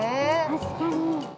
確かに。